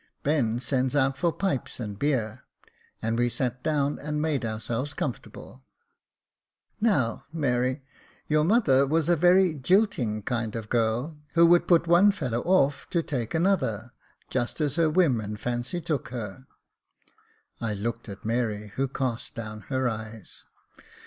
Ben sends out for pipes and beer, and we sat down and made ourselves comfortable. Now, Mary, your mother was a very jilting kind of girl, who would put one fellov/ off to take another, just as her whim and fancy took her. [I Jacob Faithful 211 looked at Mary, who cast down her eyes.